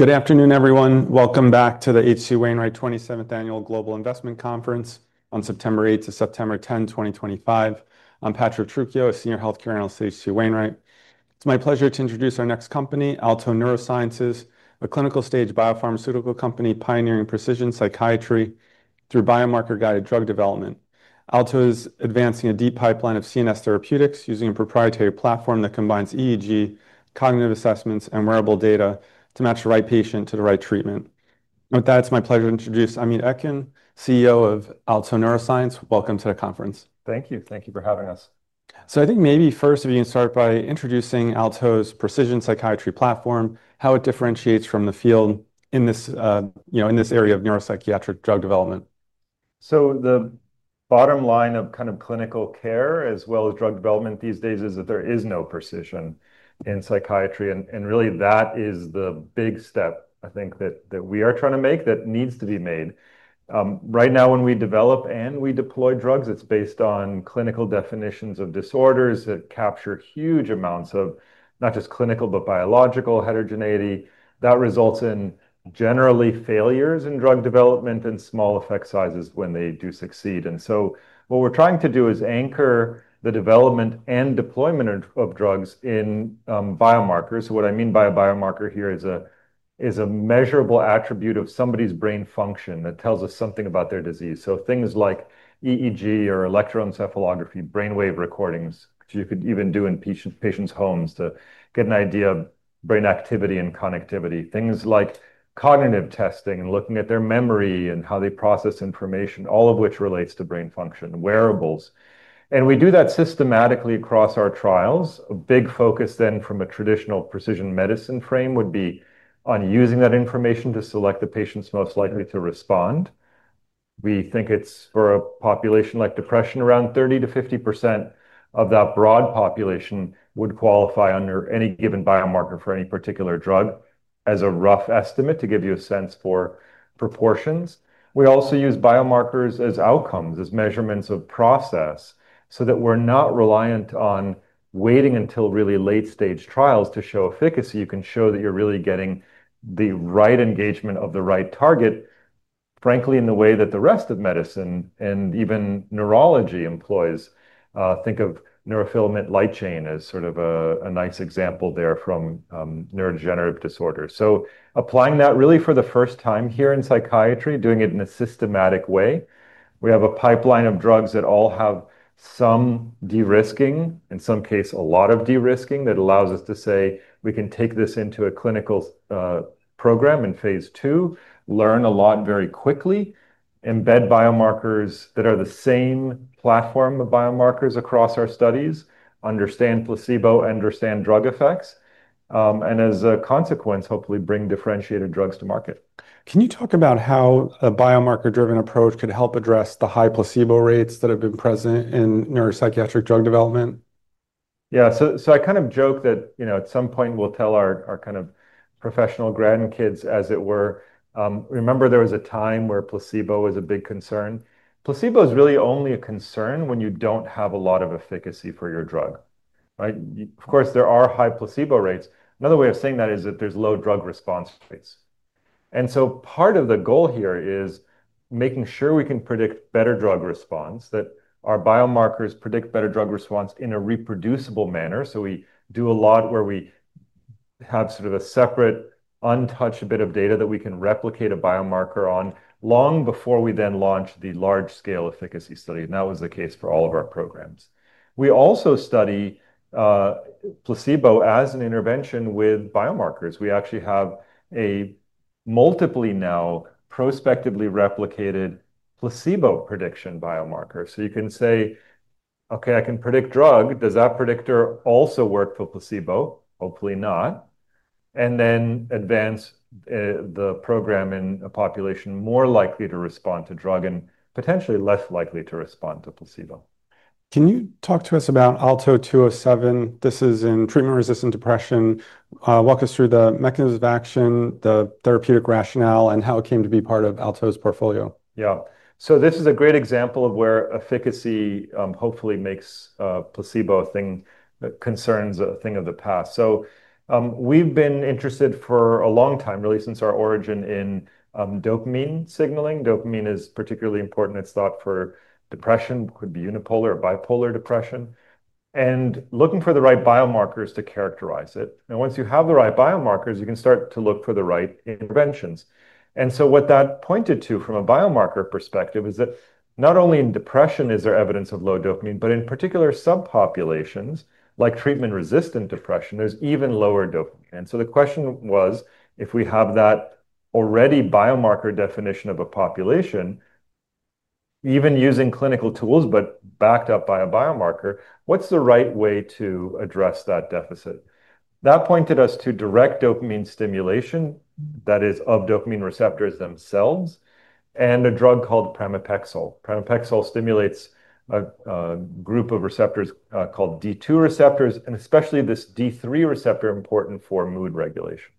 Good afternoon, everyone. Welcome back to the HC Wainwright 27th Annual Global Investment Conference on September 8 to September 10, 2025. I'm Patrick Truchio, a Senior Healthcare Analyst at HC Wainwright. It's my pleasure to introduce our next company, Alto Neuroscience, a clinical-stage biopharmaceutical company pioneering precision psychiatry through biomarker-guided drug development. Alto is advancing a deep pipeline of CNS therapeutics using a proprietary platform that combines EEG, cognitive assessments, and wearable data to match the right patient to the right treatment. With that, it's my pleasure to introduce Amit Etkin, CEO of Alto Neuroscience. Welcome to the conference. Thank you. Thank you for having us. I think maybe first we can start by introducing Alto Neuroscience's Precision Psychiatry Platform, how it differentiates from the field in this area of neuropsychiatric drug development. The bottom line of kind of clinical care as well as drug development these days is that there is no precision in psychiatry. That is the big step, I think, that we are trying to make that needs to be made. Right now, when we develop and we deploy drugs, it's based on clinical definitions of disorders that capture huge amounts of not just clinical but biological heterogeneity that results in generally failures in drug development and small effect sizes when they do succeed. What we're trying to do is anchor the development and deployment of drugs in biomarkers. What I mean by a biomarker here is a measurable attribute of somebody's brain function that tells us something about their disease. Things like EEG or electroencephalography, brain wave recordings, which you could even do in patients' homes to get an idea of brain activity and connectivity, things like cognitive testing and looking at their memory and how they process information, all of which relates to brain function wearables. We do that systematically across our trials. A big focus then from a traditional precision medicine frame would be on using that information to select the patients most likely to respond. We think it's for a population like depression, around 30% to 50% of that broad population would qualify under any given biomarker for any particular drug as a rough estimate to give you a sense for proportions. We also use biomarkers as outcomes, as measurements of process, so that we're not reliant on waiting until really late-stage trials to show efficacy. You can show that you're really getting the right engagement of the right target, frankly, in the way that the rest of medicine and even neurology employs. Think of neurofilament light chain as sort of a nice example there from neurodegenerative disorders. Applying that really for the first time here in psychiatry, doing it in a systematic way, we have a pipeline of drugs that all have some de-risking, in some cases a lot of de-risking, that allows us to say we can take this into a clinical program in phase two, learn a lot very quickly, embed biomarkers that are the same platform of biomarkers across our studies, understand placebo, understand drug effects, and as a consequence, hopefully bring differentiated drugs to market. Can you talk about how a biomarker-driven approach could help address the high placebo response rates that have been present in neuropsychiatric drug development? Yeah, I kind of joke that, you know, at some point we'll tell our kind of professional grandkids, as it were, remember there was a time where placebo was a big concern. Placebo is really only a concern when you don't have a lot of efficacy for your drug, right? Of course, there are high placebo rates. Another way of saying that is that there's low drug response rates. Part of the goal here is making sure we can predict better drug response, that our biomarkers predict better drug response in a reproducible manner. We do a lot where we have sort of a separate, untouched bit of data that we can replicate a biomarker on long before we then launch the large-scale efficacy study. That was the case for all of our programs. We also study placebo as an intervention with biomarkers. We actually have a multiply now prospectively replicated placebo prediction biomarker. You can say, OK, I can predict drug. Does that predictor also work for placebo? Hopefully not. Then advance the program in a population more likely to respond to drug and potentially less likely to respond to placebo. Can you talk to us about Alto 207? This is in treatment-resistant depression. Walk us through the mechanism of action, the therapeutic rationale, and how it came to be part of Alto's portfolio. Yeah, this is a great example of where efficacy hopefully makes placebo concerns a thing of the past. We've been interested for a long time, really since our origin, in dopamine signaling. Dopamine is particularly important. It's thought for depression. It could be unipolar or bipolar depression. Looking for the right biomarkers to characterize it, once you have the right biomarkers, you can start to look for the right interventions. What that pointed to from a biomarker perspective is that not only in depression is there evidence of low dopamine, but in particular subpopulations like treatment-resistant depression, there's even lower dopamine. The question was, if we have that already biomarker definition of a population, even using clinical tools but backed up by a biomarker, what's the right way to address that deficit? That pointed us to direct dopamine stimulation, that is, of dopamine receptors themselves and a drug called pramipexole. Pramipexole stimulates a group of receptors called D2 receptors, and especially this D3 receptor, important for mood regulation.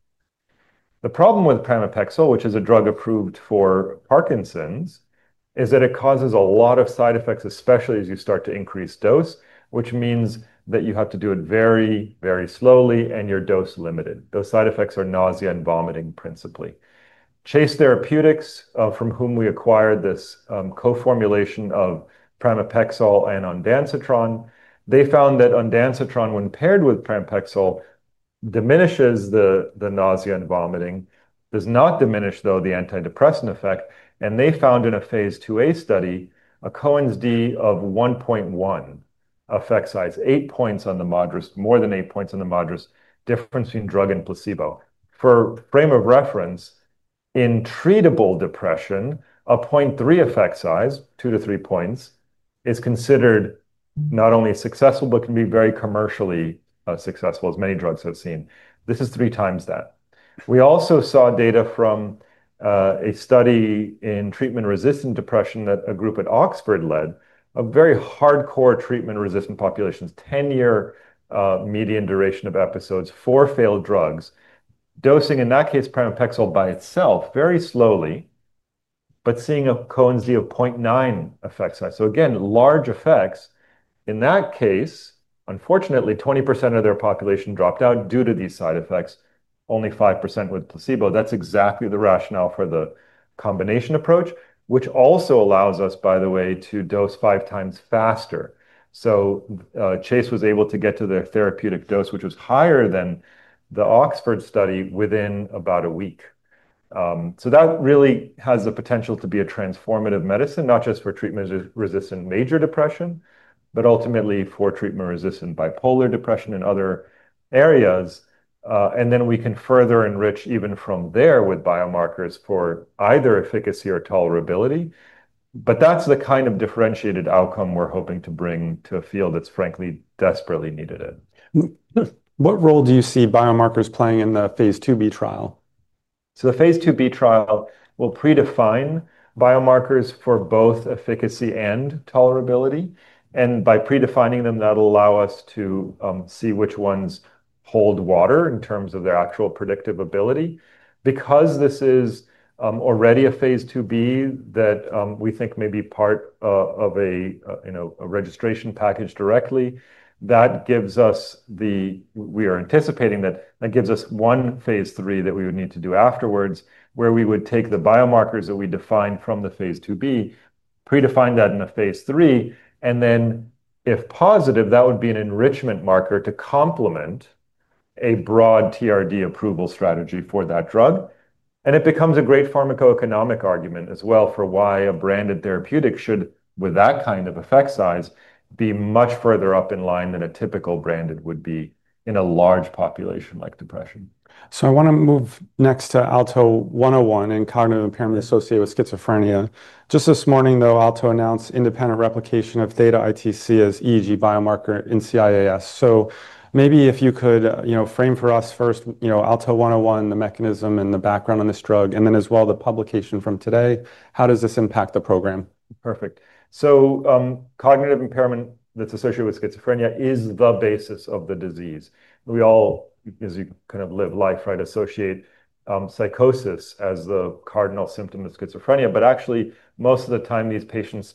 The problem with pramipexole, which is a drug approved for Parkinson's, is that it causes a lot of side effects, especially as you start to increase dose, which means that you have to do it very, very slowly and you're dose limited. Those side effects are nausea and vomiting principally. Chase Therapeutics, from whom we acquired this co-formulation of pramipexole and ondansetron, found that ondansetron, when paired with pramipexole, diminishes the nausea and vomiting, does not diminish, though, the antidepressant effect. They found in a phase 2A study a Cohen's D of 1.1 effect size, more than 8 points on the moderate difference between drug and placebo. For frame of reference, in treatable depression, a 0.3 effect size, 2 to 3 points, is considered not only successful but can be very commercially successful, as many drugs have seen. This is three times that. We also saw data from a study in treatment-resistant depression that a group at Oxford led of very hardcore treatment-resistant populations, 10-year median duration of episodes, four failed drugs, dosing in that case pramipexole by itself very slowly, but seeing a Cohen's D of 0.9 effect size. Again, large effects. In that case, unfortunately, 20% of their population dropped out due to these side effects, only 5% with placebo. That's exactly the rationale for the combination approach, which also allows us, by the way, to dose five times faster. Chase was able to get to their therapeutic dose, which was higher than the Oxford study, within about a week. That really has the potential to be a transformative medicine, not just for treatment-resistant major depression, but ultimately for treatment-resistant bipolar depression and other areas. We can further enrich even from there with biomarkers for either efficacy or tolerability. That's the kind of differentiated outcome we're hoping to bring to a field that's frankly desperately needed in. What role do you see biomarkers playing in the phase 2B trial? The phase 2B trial will predefine biomarkers for both efficacy and tolerability. By predefining them, that'll allow us to see which ones hold water in terms of their actual predictive ability. Because this is already a phase 2B that we think may be part of a registration package directly, we are anticipating that gives us one phase three that we would need to do afterwards, where we would take the biomarkers that we defined from the phase 2B, predefine that in a phase three, and then if positive, that would be an enrichment marker to complement a broad TRD approval strategy for that drug. It becomes a great pharmacoeconomic argument as well for why a branded therapeutic should, with that kind of effect size, be much further up in line than a typical branded would be in a large population like depression. I want to move next to Alto 101 and cognitive impairment associated with schizophrenia. Just this morning, though, Alto announced independent replication of theta ITC as EEG biomarker in CIAS. Maybe if you could frame for us first Alto 101, the mechanism and the background on this drug, and then as well the publication from today, how does this impact the program? Perfect. Cognitive impairment that's associated with schizophrenia is the basis of the disease. We all, as you kind of live life, right, associate psychosis as the cardinal symptom of schizophrenia. Actually, most of the time, these patients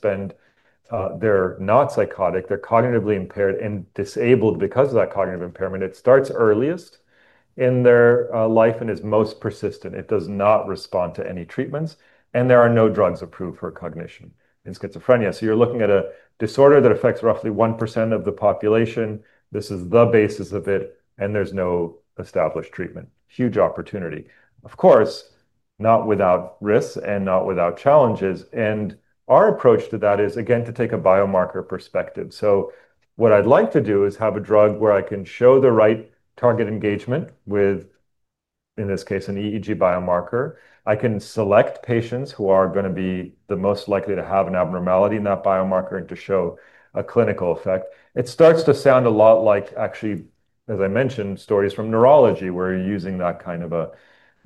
spend—they're not psychotic. They're cognitively impaired and disabled because of that cognitive impairment. It starts earliest in their life and is most persistent. It does not respond to any treatments. There are no drugs approved for cognition in schizophrenia. You're looking at a disorder that affects roughly 1% of the population. This is the basis of it. There's no established treatment. Huge opportunity, of course, not without risks and not without challenges. Our approach to that is, again, to take a biomarker perspective. What I'd like to do is have a drug where I can show the right target engagement with, in this case, an EEG biomarker. I can select patients who are going to be the most likely to have an abnormality in that biomarker and to show a clinical effect. It starts to sound a lot like, actually, as I mentioned, stories from neurology where you're using that kind of a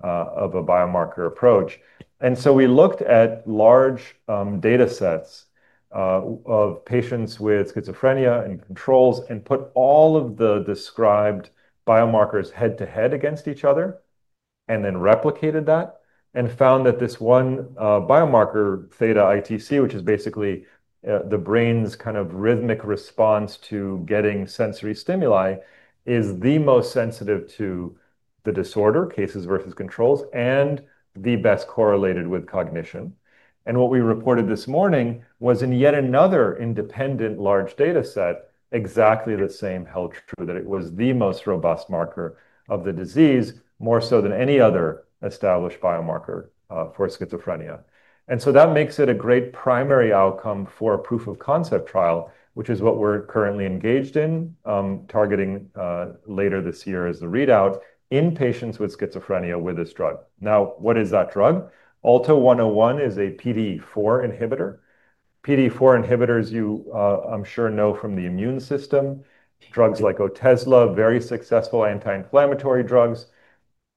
biomarker approach. We looked at large data sets of patients with schizophrenia and controls and put all of the described biomarkers head to head against each other and then replicated that and found that this one biomarker, theta ITC, which is basically the brain's kind of rhythmic response to getting sensory stimuli, is the most sensitive to the disorder, cases versus controls, and the best correlated with cognition. What we reported this morning was in yet another independent large data set, exactly the same held true that it was the most robust marker of the disease, more so than any other established biomarker for schizophrenia. That makes it a great primary outcome for a proof of concept trial, which is what we're currently engaged in targeting later this year as the readout in patients with schizophrenia with this drug. Now, what is that drug? Alto 101 is a PDE4 inhibitor. PDE4 inhibitors, you I'm sure know from the immune system, drugs like Otezla, very successful anti-inflammatory drugs.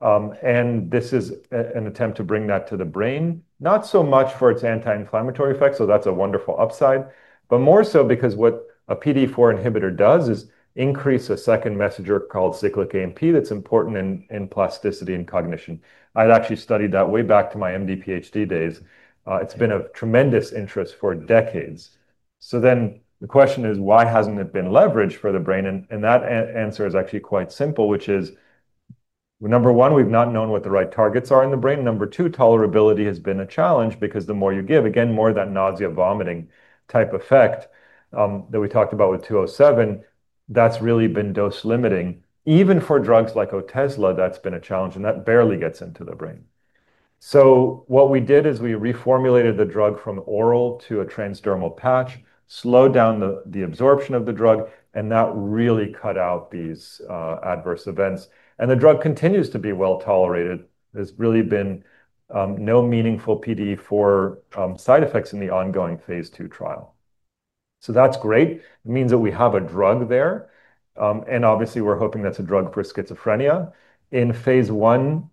This is an attempt to bring that to the brain, not so much for its anti-inflammatory effects. That's a wonderful upside, but more so because what a PDE4 inhibitor does is increase a second messenger called cyclic AMP that's important in plasticity and cognition. I've actually studied that way back to my MD PhD days. It's been of tremendous interest for decades. The question is, why hasn't it been leveraged for the brain? That answer is actually quite simple, which is, number one, we've not known what the right targets are in the brain. Number two, tolerability has been a challenge because the more you give, again, more of that nausea-vomiting type effect that we talked about with Alto 207, that's really been dose limiting. Even for drugs like Otezla, that's been a challenge, and that barely gets into the brain. What we did is we reformulated the drug from oral to a transdermal patch, slowed down the absorption of the drug, and that really cut out these adverse events. The drug continues to be well tolerated. There's really been no meaningful PDE4 side effects in the ongoing phase 2 trial. That's great. It means that we have a drug there, and obviously, we're hoping that's a drug for schizophrenia. In phase 1,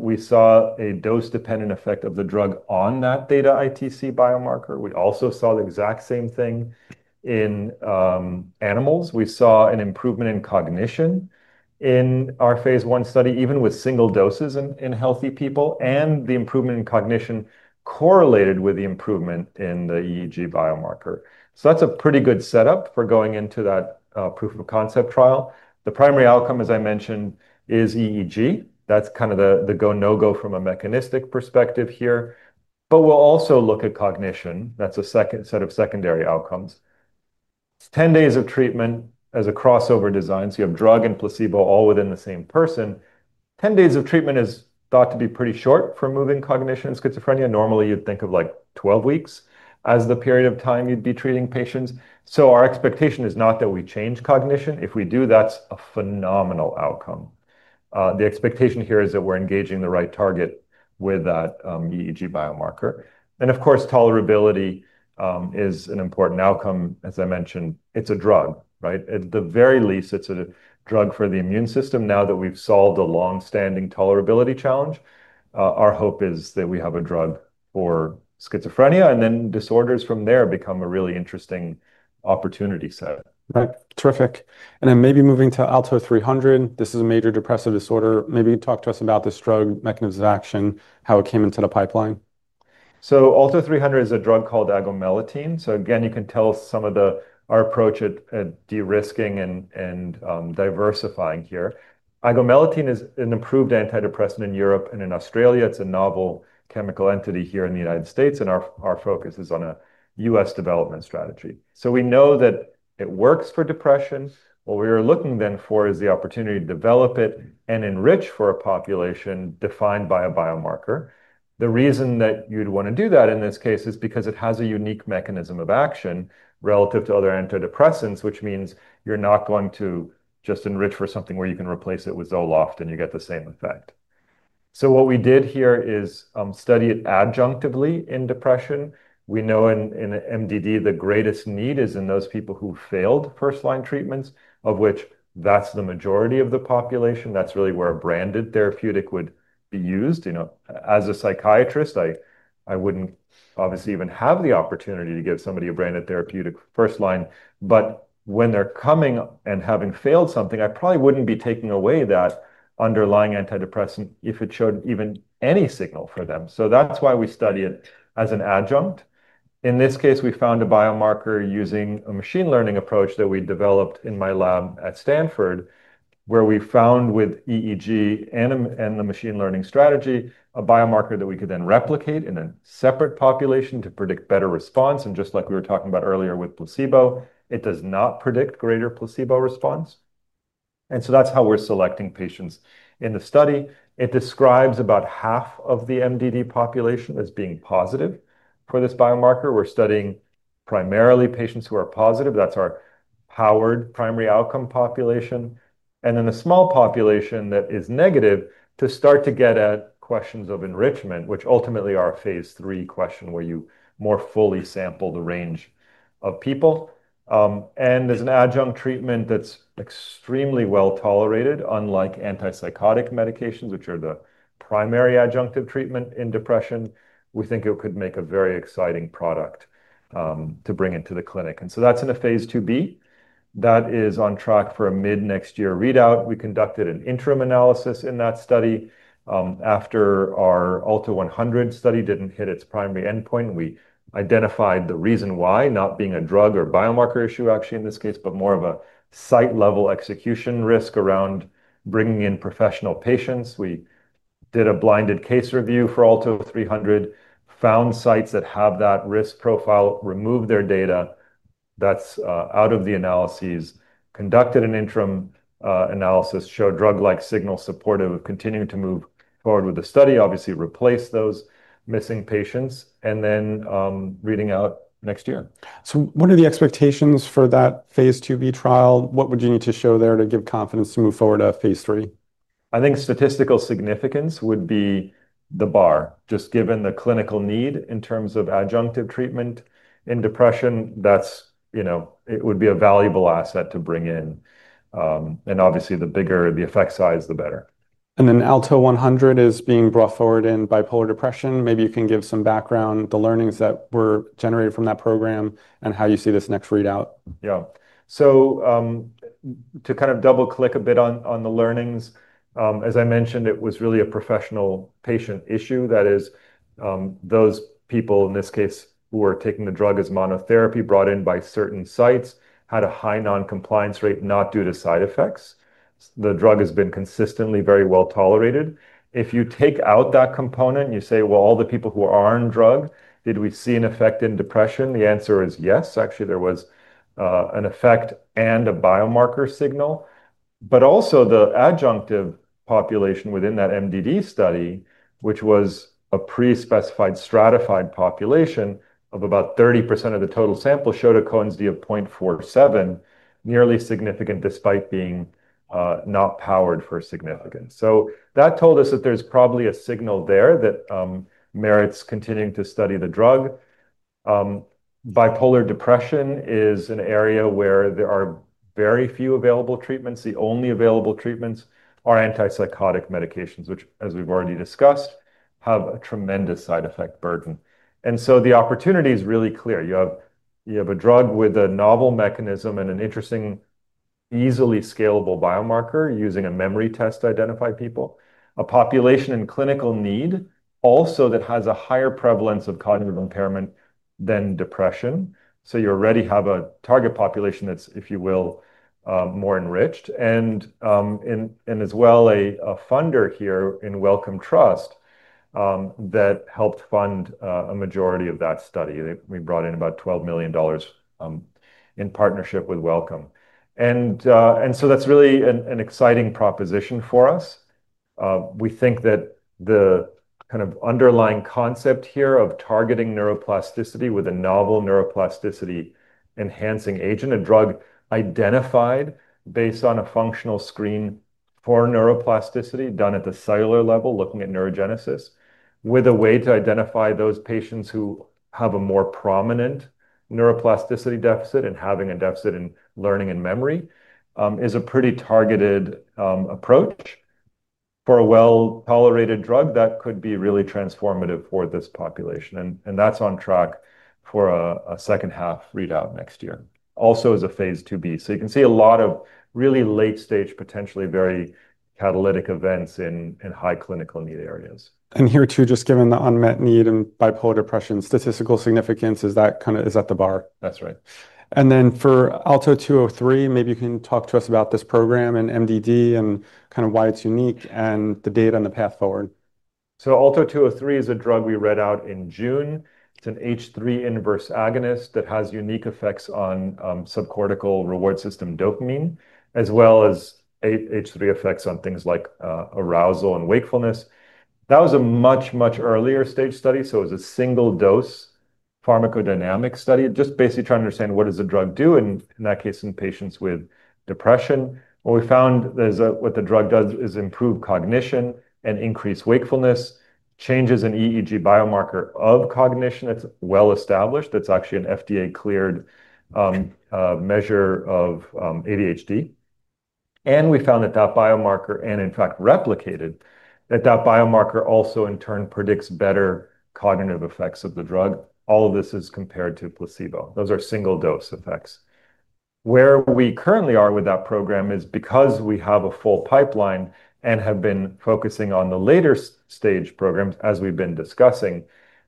we saw a dose-dependent effect of the drug on that theta ITC EEG biomarker. We also saw the exact same thing in animals. We saw an improvement in cognition in our phase 1 study, even with single doses in healthy people, and the improvement in cognition correlated with the improvement in the EEG biomarker. That's a pretty good setup for going into that proof of concept trial. The primary outcome, as I mentioned, is EEG. That's kind of the go/no-go from a mechanistic perspective here. We'll also look at cognition. That's a second set of secondary outcomes. 10 days of treatment as a crossover design, so you have drug and placebo all within the same person. 10 days of treatment is thought to be pretty short for moving cognition in schizophrenia. Normally, you'd think of like 12 weeks as the period of time you'd be treating patients. Our expectation is not that we change cognition. If we do, that's a phenomenal outcome. The expectation here is that we're engaging the right target with that EEG biomarker. Of course, tolerability is an important outcome. As I mentioned, it's a drug, right? At the very least, it's a drug for the immune system now that we've solved a longstanding tolerability challenge. Our hope is that we have a drug for schizophrenia, and then disorders from there become a really interesting opportunity set. Terrific. Maybe moving to Alto 300, this is a major depressive disorder. Maybe talk to us about this drug, mechanism of action, how it came into the pipeline. Alto 300 is a drug called agomelatine. You can tell some of our approach at de-risking and diversifying here. Agomelatine is an approved antidepressant in Europe and in Australia. It's a novel chemical entity here in the U.S., and our focus is on a U.S. development strategy. We know that it works for depression. What we are looking then for is the opportunity to develop it and enrich for a population defined by a biomarker. The reason that you'd want to do that in this case is because it has a unique mechanism of action relative to other antidepressants, which means you're not going to just enrich for something where you can replace it with Zoloft and you get the same effect. What we did here is study it adjunctively in depression. We know in MDD, the greatest need is in those people who failed first-line treatments, of which that's the majority of the population. That's really where a branded therapeutic would be used. As a psychiatrist, I wouldn't obviously even have the opportunity to give somebody a branded therapeutic first-line. When they're coming and having failed something, I probably wouldn't be taking away that underlying antidepressant if it showed even any signal for them. That's why we study it as an adjunct. In this case, we found a biomarker using a machine learning approach that we developed in my lab at Stanford, where we found with EEG and the machine learning strategy, a biomarker that we could then replicate in a separate population to predict better response. Just like we were talking about earlier with placebo, it does not predict greater placebo response. That's how we're selecting patients in the study. It describes about half of the MDD population as being positive for this biomarker. We're studying primarily patients who are positive. That's our powered primary outcome population, and then a small population that is negative to start to get at questions of enrichment, which ultimately are a phase three question where you more fully sample the range of people. There's an adjunct treatment that's extremely well tolerated, unlike antipsychotic medications, which are the primary adjunctive treatment in depression. We think it could make a very exciting product to bring into the clinic. That's in a phase 2B. That is on track for a mid-next year readout. We conducted an interim analysis in that study after our Alto 100 study didn't hit its primary endpoint. We identified the reason why, not being a drug or biomarker issue actually in this case, but more of a site-level execution risk around bringing in professional patients. We did a blinded case review for Alto 300, found sites that have that risk profile, removed their data. That is out of the analyses. Conducted an interim analysis, showed drug-like signal supportive, continued to move forward with the study, obviously replaced those missing patients, and then reading out next year. What are the expectations for that phase 2B trial? What would you need to show there to give confidence to move forward to phase three? I think statistical significance would be the bar, just given the clinical need in terms of adjunctive treatment in depression. It would be a valuable asset to bring in. Obviously, the bigger the effect size, the better. Alto 100 is being brought forward in bipolar depression. Maybe you can give some background, the learnings that were generated from that program, and how you see this next readout. Yeah. To kind of double-click a bit on the learnings, as I mentioned, it was really a professional patient issue. That is, those people, in this case, who are taking the drug as monotherapy, brought in by certain sites, had a high non-compliance rate not due to side effects. The drug has been consistently very well tolerated. If you take out that component and you say, all the people who are on drug, did we see an effect in depression? The answer is yes. Actually, there was an effect and a biomarker signal. Also, the adjunctive population within that MDD study, which was a pre-specified stratified population of about 30% of the total sample, showed a Cohen's D of 0.47, nearly significant despite being not powered for significance. That told us that there's probably a signal there that merits continuing to study the drug. Bipolar depression is an area where there are very few available treatments. The only available treatments are antipsychotic medications, which, as we've already discussed, have a tremendous side effect burden. The opportunity is really clear. You have a drug with a novel mechanism and an interesting, easily scalable biomarker using a memory test to identify people, a population in clinical need also that has a higher prevalence of cognitive impairment than depression. You already have a target population that's, if you will, more enriched. As well, a funder here in Wellcome Trust that helped fund a majority of that study. We brought in about $12 million in partnership with Wellcome. That's really an exciting proposition for us. We think that the kind of underlying concept here of targeting neuroplasticity with a novel neuroplasticity-enhancing agent, a drug identified based on a functional screen for neuroplasticity done at the cellular level, looking at neurogenesis, with a way to identify those patients who have a more prominent neuroplasticity deficit and having a deficit in learning and memory is a pretty targeted approach for a well-tolerated drug that could be really transformative for this population. That's on track for a second half readout next year, also as a phase 2B. You can see a lot of really late-stage, potentially very catalytic events in high clinical need areas. Here too, just given the unmet need in bipolar depression, statistical significance is that kind of is at the bar. That's right. For Alto 300, maybe you can talk to us about this program and MDD and kind of why it's unique and the data and the path forward. Alto 203 is a drug we read out in June. It's an H3 inverse agonist that has unique effects on subcortical reward system dopamine, as well as H3 effects on things like arousal and wakefulness. That was a much, much earlier stage study. It was a single-dose pharmacodynamic study, just basically trying to understand what does the drug do in that case in patients with depression. What we found is that what the drug does is improve cognition and increase wakefulness, changes in EEG biomarker of cognition. It's well established. That's actually an FDA-cleared measure of ADHD. We found that that biomarker and, in fact, replicated that that biomarker also, in turn, predicts better cognitive effects of the drug. All of this is compared to placebo. Those are single-dose effects. Where we currently are with that program is because we have a full pipeline and have been focusing on the later stage programs, as we've been discussing,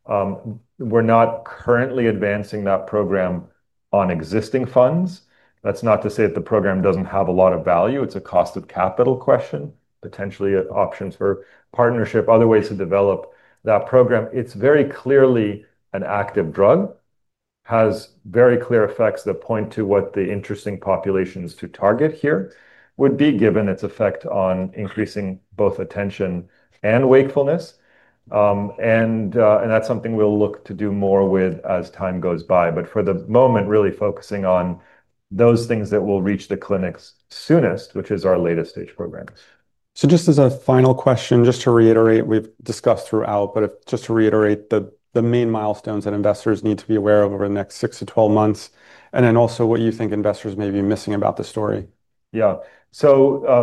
we're not currently advancing that program on existing funds. That is not to say that the program doesn't have a lot of value. It's a cost of capital question, potentially options for partnership, other ways to develop that program. It's very clearly an active drug, has very clear effects that point to what the interesting populations to target here would be, given its effect on increasing both attention and wakefulness. That is something we'll look to do more with as time goes by. For the moment, really focusing on those things that will reach the clinics soonest, which is our latest stage program. Just as a final question, just to reiterate, we've discussed throughout, but just to reiterate, the main milestones that investors need to be aware of over the next 6 to 12 months, and then also what you think investors may be missing about the story. Yeah. So.